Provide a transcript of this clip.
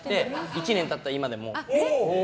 １年経った今でも。